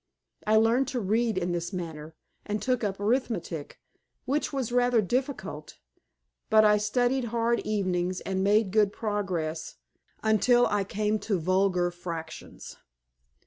I learned to read in this manner, and took up arithmetic, which was rather difficult, but I studied hard evenings and made good progress, until I came to vulgar fractions.